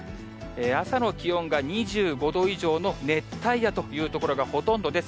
朝の気温が２５度以上の熱帯夜という所がほとんどです。